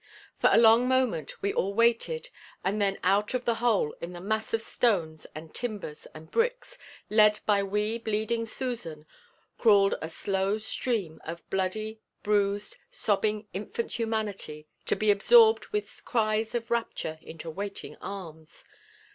For a long moment we all waited and then out of the hole in the mass of stones and timbers and bricks, led by wee bleeding Susan, crawled a slow stream of bloody, bruised, sobbing infant humanity to be absorbed with cries of rapture into waiting arms.